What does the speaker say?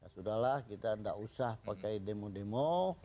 sudahlah kita tidak usah pakai demo demo